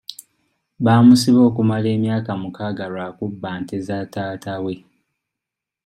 Baamusiba okumala emyaka mukaaga lwa kubba nte za taata we.